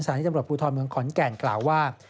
ที่ตำรวจภูทรเมืองขอนแก่นกล่าวว่า